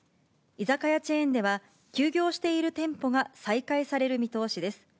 居酒屋チェーンでは、休業している店舗が再開される見通しです。